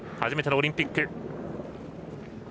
初めてのオリンピック。